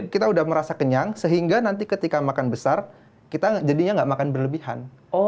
kita udah merasa kenyang sehingga nanti ketika makan besar kita jadinya nggak makan berlebihan